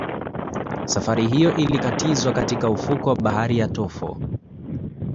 Safari hiyo ilikatizwa katika ufukwe wa bahari wa Tofo